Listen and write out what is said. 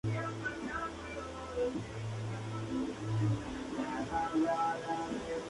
Por tanto, se considera como una prueba de valoración de estilos cognitivos.